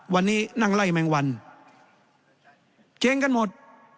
วันนี้นั่งไล่แมงวันเจ๊งกันหมด